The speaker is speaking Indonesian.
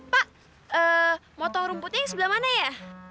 pak ee mau tau rumputnya yang sebelah mana ya